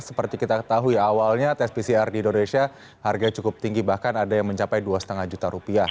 seperti kita tahu ya awalnya tspcr di indonesia harga cukup tinggi bahkan ada yang mencapai dua lima juta rupiah